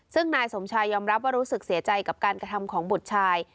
ซึ่งนายสมชายยอมรับว่ารู้สึกเสียใจกับการกระทำของบุตรชาย